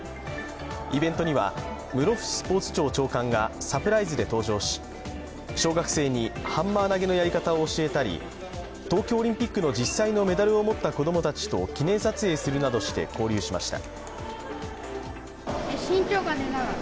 イベントには、室伏スポーツ庁長官がサプライズで登場し小学生にハンマー投のやり方を教えたり、東京オリンピックの実際のメダルを持った子供たちと記念撮影するなどして交流しました。